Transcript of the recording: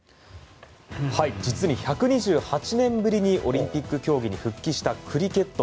実に１２８年ぶりにオリンピック競技に復帰したクリケット。